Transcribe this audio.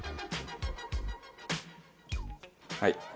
はい。